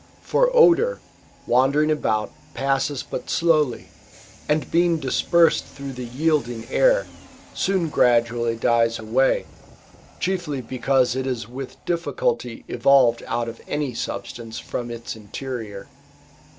For odour, wandering about, passes but slowly, and, being dispersed through the yielding air, soon gradually dies away ;^ chiefly because it is with difficulty evolved out of any substance from its interior.